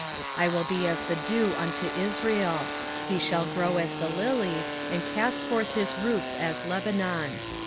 14:5 I will be as the dew unto Israel: he shall grow as the lily, and cast forth his roots as Lebanon.